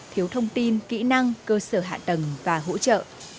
thiếu thông tin kỹ năng cơ sở hạ tầng và hỗ trợ